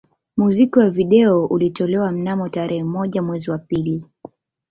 Muziki wa video ulitolewa mnamo tarehe moja mwezi wa pili